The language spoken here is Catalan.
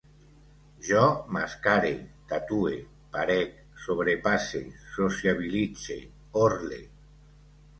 Jo mascare, tatue, parec, sobrepasse, sociabilitze, orle